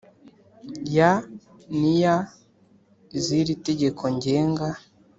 ya n iya z iri tegeko ngenga